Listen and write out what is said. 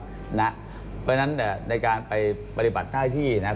เพราะฉะนั้นในการไปปฏิบัติหน้าที่นะครับ